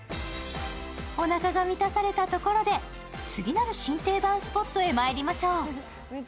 おなかが満たされたところで次なる新定番スポットへまいりましょう。